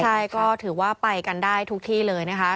ใช่ก็ถือว่าไปกันได้ทุกที่เลยนะคะ